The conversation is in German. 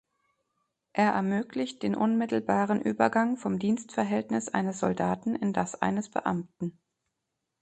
Er ermöglicht den unmittelbaren Übergang vom Dienstverhältnis eines Soldaten in das eines Beamten.